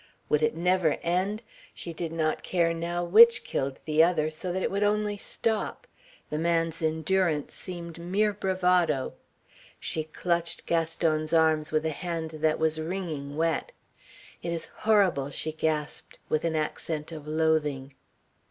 Would it never end? She did not care now which killed the other so that it would only stop. The man's endurance seemed mere bravado. She clutched Gaston's arms with a hand that was wringing wet. "It is horrible," she gasped with an accent of loathing.